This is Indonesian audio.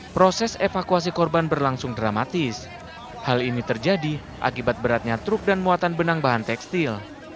proses evakuasi korban berlangsung dramatis hal ini terjadi akibat beratnya truk dan muatan benang bahan tekstil